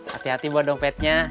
hati hati buat dompetnya